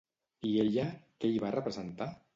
I ella què hi va representar?